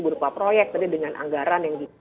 berupa proyek tapi dengan anggaran yang